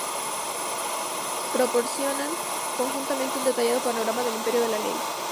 Proporcionan conjuntamente un detallado panorama del imperio de la ley.